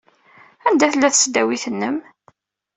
Anda tella tesdawit-nnem?